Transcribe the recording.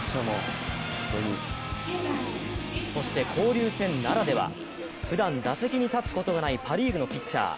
そして交流戦ならでは、ふだん打席に立つことがないパ・リーグのピッチャー。